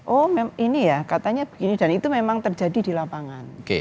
oh ini ya katanya begini dan itu memang terjadi di lapangan